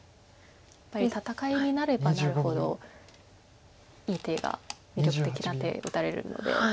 やっぱり戦いになればなるほどいい手が魅力的な手打たれるので。